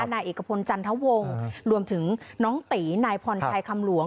นายเอกพลจันทวงรวมถึงน้องตีนายพรชัยคำหลวง